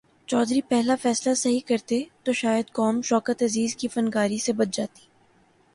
چودھری پہلا فیصلہ صحیح کرتے تو شاید قوم شوکت عزیز کی فنکاری سے بچ جاتی۔